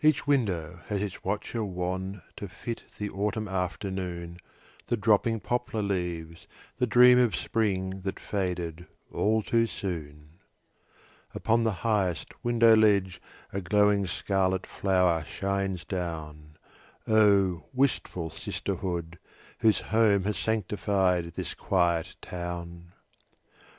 Each window has its watcher wan To fit the autumn afternoon, The dropping poplar leaves, the dream Of spring that faded all too soon. Upon the highest window ledge A glowing scarlet flower shines down. Oh, wistful sisterhood, whose home Has sanctified this quiet town!